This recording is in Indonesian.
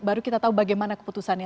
baru kita tahu bagaimana keputusannya